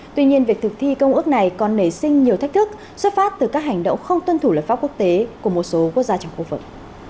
tuy nhiên việc thực thi công ước này còn nảy sinh nhiều thách thức xuất phát từ các hành động không tuân thủ luật pháp quốc tế của một số quốc gia trong khu vực